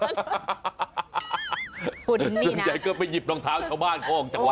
ส่วนใหญ่ก็ไปหยิบรองเท้าชาวบ้านเขาออกจากวัด